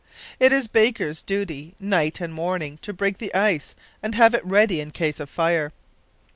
It is Baker's duty night and morning to break the ice and have it ready in case of fire.